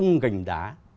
bông gành đá